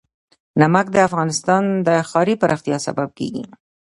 نمک د افغانستان د ښاري پراختیا سبب کېږي.